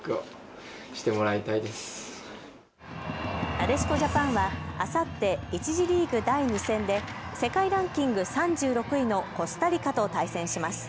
なでしこジャパンはあさって１次リーグ第２戦で世界ランキング３６位のコスタリカと対戦します。